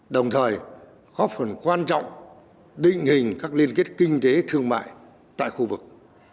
đồng thời góp phần quan trọng định hình các liên kết kinh tế thương mại tại khu vực